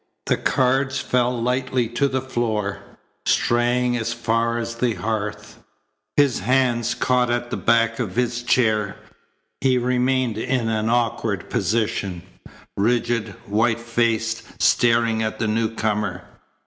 The cards fell lightly to the floor, straying as far as the hearth. His hands caught at the back of his chair. He remained in an awkward position, rigid, white faced, staring at the newcomer.